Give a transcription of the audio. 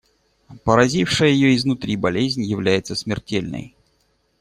Поразившая ее изнутри болезнь является смертельной.